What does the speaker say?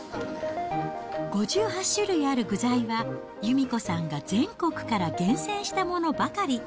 ５８種類ある具材は、由美子さんが全国から厳選したものばかり。